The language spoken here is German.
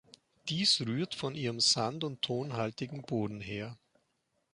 Dies rührt von ihrem sand- und tonhaltigen Boden her.